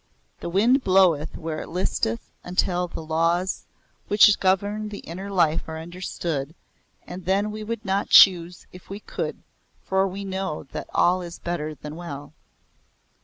The wind bloweth where it listeth until the laws which govern the inner life are understood, and then we would not choose if we could for we know that all is better than well.